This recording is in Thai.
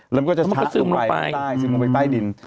แล้วมันก็จะชะสึงลงไปใต้ดิน